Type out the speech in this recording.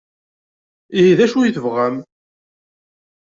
Ihi d acu i tebɣam?